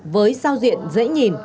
với sao diện dễ nhìn